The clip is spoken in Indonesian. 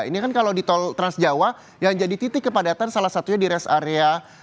ini kan kalau di tol transjawa yang jadi titik kepadatan salah satunya di rest area